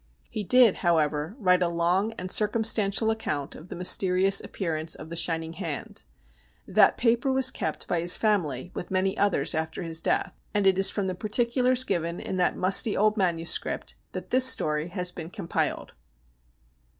He did, how ever, write a long and circumstantial account of the mys terious appearance of the shining hand. That paper was kept by his family with many others after his death, and it is from the particulars given in that musty old MS. that this story has been compiled.